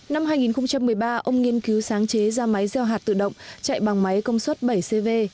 năm hai nghìn một mươi ba ông nghiên cứu sáng chế ra máy gieo hạt tự động chạy bằng máy công suất bảy cv